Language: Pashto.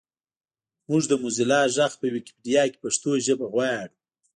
مونږ د موزیلا غږ په ویکیپېډیا کې پښتو ژبه غواړو